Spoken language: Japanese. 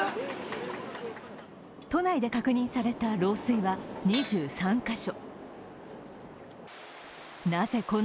都内で確認された漏水は２３カ所。